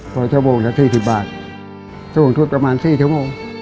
พอเช่าโมงจะ๔๐บาทส่วนทุกข์ประมาณ๔ชั่วโมง